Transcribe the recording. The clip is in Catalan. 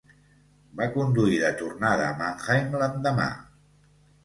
Va conduir de tornada a Mannheim l'endemà.